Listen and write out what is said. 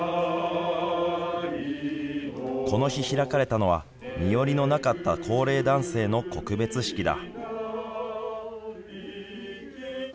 この日、開かれたのは身寄りのない高齢男性の告別式だ。